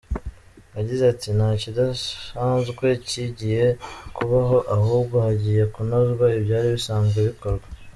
Yagize ati “Nta kidasanzwe kigiye kubaho, ahubwo hagiye kunozwa ibyari bisazwe bikorwa.